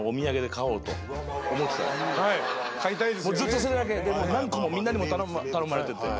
ずっとそれだけ何個もみんなにも頼まれてて。